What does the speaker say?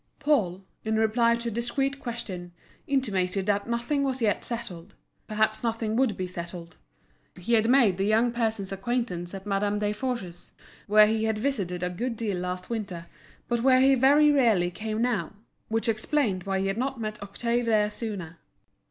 Paul, in reply to a discreet question, intimated that nothing was yet settled; perhaps nothing would be settled. He had made the young person's acquaintance at Madame Desforges's, where he had visited a good deal last winter, but where he very rarely came now, which explained why he had not met Octave there sooner.